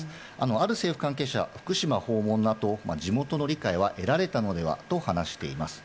ある政府関係者、福島訪問のあと、地元の理解は得られたのではと話しています。